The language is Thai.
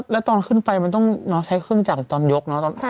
แล้วตอนขึ้นไปมันต้องใช้เครื่องจักรตอนยกเนอะ